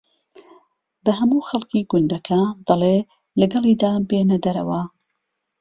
بە ھەموو خەڵکی گوندەکە دەڵێ لەگەڵیدا بێنە دەرەوە